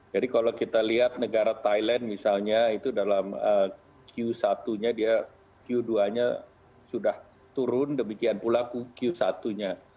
jadi kalau kita lihat negara thailand misalnya itu dalam q satu nya dia q dua nya sudah turun demikian pula q satu nya